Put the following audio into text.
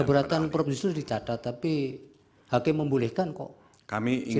keberatan prof yusril dicatat tapi hakim membolehkan kok